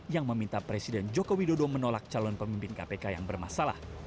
yang meminta presiden joko widodo menolak calon pemimpin kpk yang bermasalah